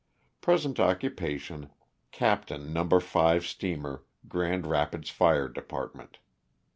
Present occupation, Captain No. 5 steamer, Grand Kapids fire department.